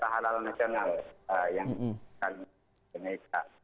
dan hal hal nasional yang akan dikenai